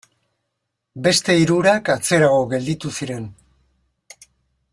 Beste hirurak atzerago gelditu ziren.